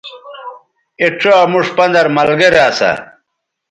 اے ڇا موش پندَر ملگرے اسا